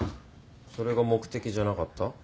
それが目的じゃなかった？